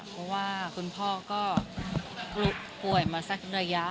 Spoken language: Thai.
เพราะว่าคุณพ่อก็ป่วยมาสักระยะ